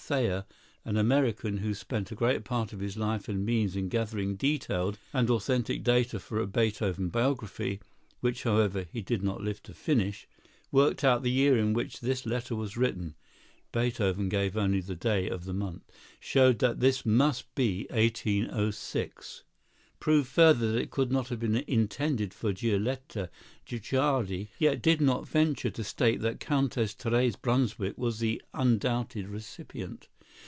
Thayer, an American, who spent a great part of his life and means in gathering detailed and authentic data for a Beethoven biography,—which, however, he did not live to finish,—worked out the year in which this letter was written (Beethoven gave only the day of the month); showed that it must be 1806; proved further that it could not have been intended for Giulietta Guicciardi, yet did not venture to state that Countess Therese Brunswick was the undoubted recipient.